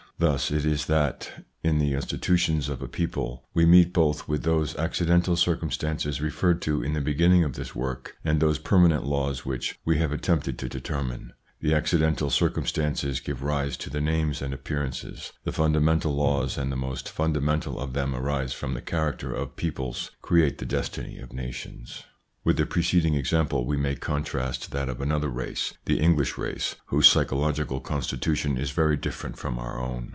Thus it is that, in the institutions of a people meet both with those accidental circumstances referred to in the beginning of this work, and those permanent laws which we have attempted to determine. The accidental circumstances give rise to the names and appearances. The fundamental laws and the most fundamental of them arise from the character of peoples create the destiny of nations. With the preceding example, we may contrast that of another race, the English race, whose psycho logical constitution is very different from our own.